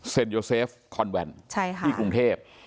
เซ็นโยเซฟคอนแวนท์ที่กรุงเทพฯ